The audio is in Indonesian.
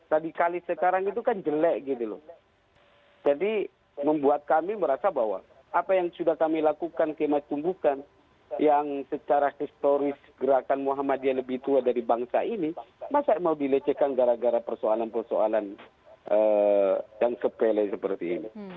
radikalis sekarang itu kan jelek gitu loh jadi membuat kami merasa bahwa apa yang sudah kami lakukan kema tumbukan yang secara historis gerakan muhammadiyah lebih tua dari bangsa ini masa mau dilecehkan gara gara persoalan persoalan yang sepele seperti ini